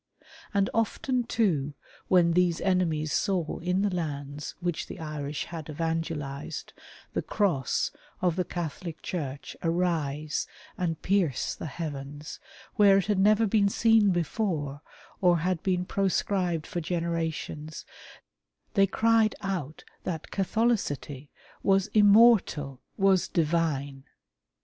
And often too when these enemies saw in the lands which the Irish had evangelized, the Cross of the Catholic Church arise and pierce the heavens, where it had never been seen before, or had been pro scribed for generations, they cried out that Catholicity was immortal — was divine